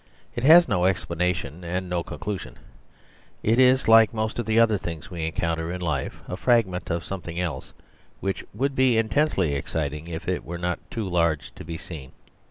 It has no explanation and no conclusion; it is, like most of the other things we encounter in life, a fragment of something else which would be intensely exciting if it were not too large to be seen.